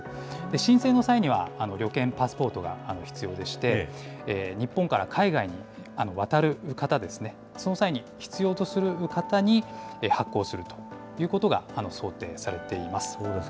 申請の際には旅券・パスポートが必要でして、日本から海外に渡る方ですね、その際に必要とする方に、発行するということが想定されています。